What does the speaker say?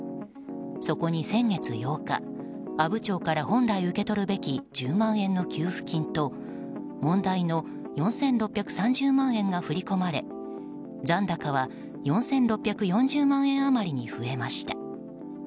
そこに先月８日、阿武町から本来受け取るべき１０万円の給付金と問題の４６３０万円が振り込まれ残高は４６４０万円余りに増えました。